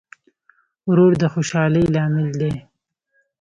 ورور د خوشحالۍ لامل دی.